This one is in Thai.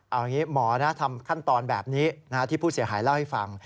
เอาอย่างนี้หมอทำขั้นตอนแบบนี้ที่ผู้เสียหายเล่าให้ฟัง